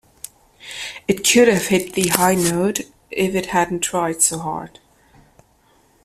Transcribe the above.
It could have hit the high note - if it hadn't tried so hard.